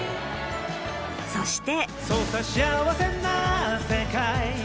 そして。